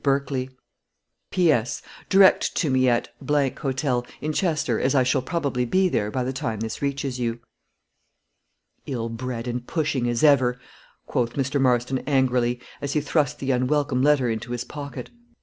BERKLEY P.S. Direct to me at Hotel, in Chester, as I shall probably be there by the time this reaches you. "Ill bred and pushing as ever," quoth Mr. Marston, angrily, as he thrust the unwelcome letter into his pocket.